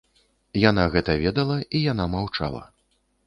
Яна гэта ведала, і яна маўчала.